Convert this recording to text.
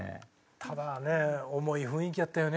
ただね重い雰囲気やったよね